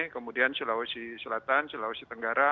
kemudian sulawesi selatan sulawesi tenggara